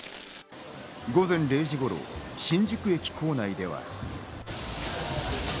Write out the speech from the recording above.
午前０時頃、新宿駅構内では。